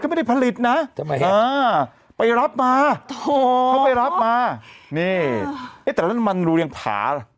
เขาไม่ได้ผลิตนะไปรับมาเขาไปรับมาเนี่ยแต่น้ำมันรูเรียงผา